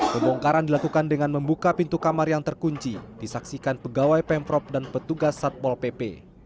pembongkaran dilakukan dengan membuka pintu kamar yang terkunci disaksikan pegawai pemprov dan petugas satpol pp